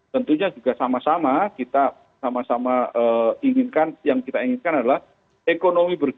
tentunya juga sama sama kita inginkan adalah ekonomi bergerak